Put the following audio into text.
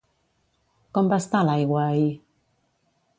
Com va estar l'aigua ahir?